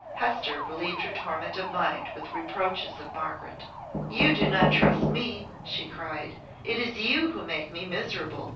Hester relieved her torment of mind with reproaches of Margaret. "You do not trust me," she cried; "it is you who make me miserable.